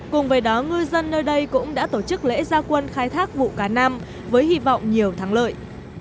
cùng với đó ngư dân nơi đây cũng đã tổ chức lễ gia quân khai thác vụ cá nam với hy vọng nhiều thắng lợi